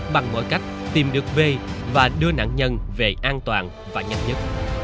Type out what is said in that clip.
bằng mọi cách tìm được v và đưa nạn nhân về an toàn và nhanh nhất